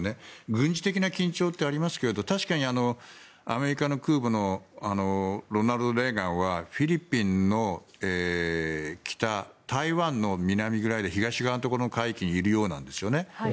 軍事的な緊張ってありますが確かにアメリカの空母の「ロナルド・レーガン」はフィリピンの北台湾の南ぐらいで東側のところの海域にいるようなんですよね。